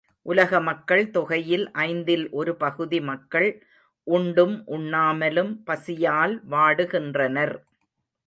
உலக மக்கள் தொகையில் ஐந்தில் ஒரு பகுதி மக்கள் உண்டும் உண்ணாமலும் பசியால் வாடுகின்றனர்.